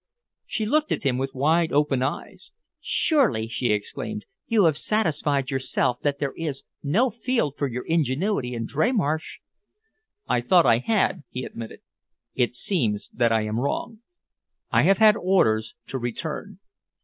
She looked at him with wide open eyes. "Surely," she exclaimed, "you have satisfied yourself that there is no field for your ingenuity in Dreymarsh?" "I thought that I had," he admitted. "It seems that I am wrong. I have had orders to return."